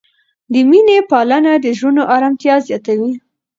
د مینې پالنه د زړونو آرامتیا زیاتوي.